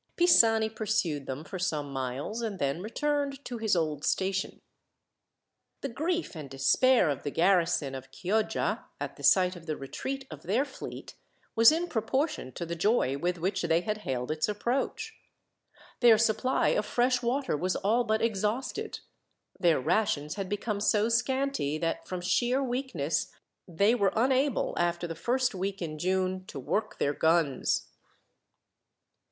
Pisani pursued them for some miles, and then returned to his old station. The grief and despair of the garrison of Chioggia, at the sight of the retreat of their fleet, was in proportion to the joy with which they had hailed its approach. Their supply of fresh water was all but exhausted. Their rations had become so scanty that, from sheer weakness, they were unable, after the first week in June, to work their guns.